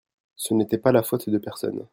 Ce n'était pas la faute de personne.